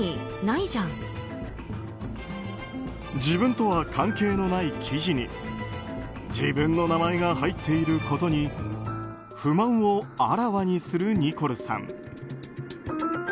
自分とは関係のない記事に自分の名前が入っていることに不満をあらわにするニコルさん。